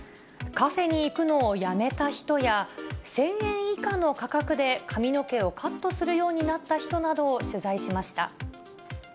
カフェに行くのをやめた人や、１０００円以下の価格で髪の毛をカットするようになった人などを取材しました。